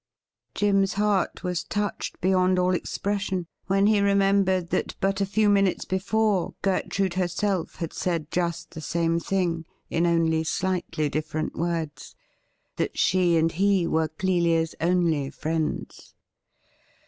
'' Jim's heart was touched beyond all expression when he remembered that but a few minutes before Gertrude herself had said just the same thing, in only slightly different words — ^that she and he were Clelia''s only friends.